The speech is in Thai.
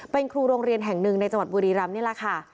เป็นครูโรงเรียนแห่งหนึ่งในจังหวัดบุรีรำนี่แหละค่ะ